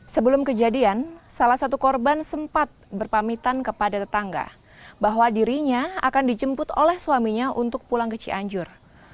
sebelum kejadian salah satu korban sempat berpamitan kepada tetangga bahwa dirinya akan dijemput oleh suaminya untuk pulang ke cianjur